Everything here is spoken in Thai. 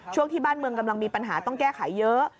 ช่วงที่บ้านเมืองกำลังมีปัญหาต้องแก้ไขเยอะ